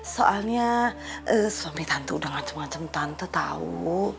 soalnya suami tante udah ngacem ngacem tante tau